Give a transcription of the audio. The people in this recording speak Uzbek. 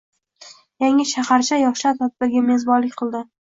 Yangi shaharcha yoshlar tadbiriga mezbonlik qilding